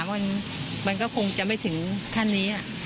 มันก็คงจะไม่ถึงขั้นนี้